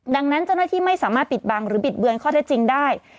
ดังนั้นเจ้าหน้าที่ไม่สามารถปิดบังหรือบิดเบือนข้อเท็จจริงได้